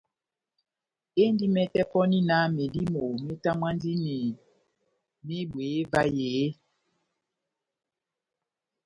Endi mɛtɛ pɔni náh medímo metamwandini mehibweye vahe eeeh ?